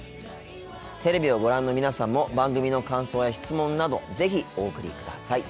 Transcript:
テレビをご覧の皆さんも番組の感想や質問など是非お送りください。